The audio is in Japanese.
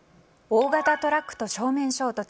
大型トラックと正面衝突。